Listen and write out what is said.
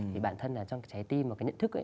thì bản thân là trong trái tim và cái nhận thức